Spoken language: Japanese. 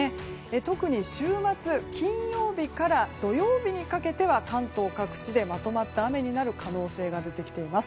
特に週末金曜日から土曜日にかけては関東各地でまとまった雨になる可能性が出てきています。